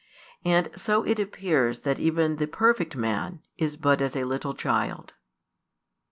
And so it appears that even the perfect man is but as a little child.